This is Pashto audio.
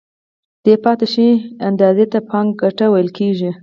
دې پاتې شوې اندازې ته بانکي ګټه ویل کېږي